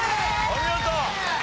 お見事！